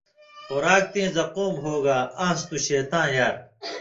خوراک تئیں زقوم ہوگا آنٚس توۡ شیطاں یار